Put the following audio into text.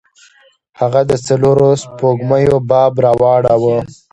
هغه د څلورو سپوږمیو باب راواړوه.